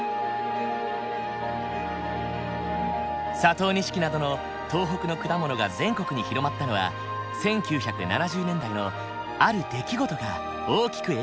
佐藤錦などの東北の果物が全国に広まったのは１９７０年代のある出来事が大きく影響しているんだ。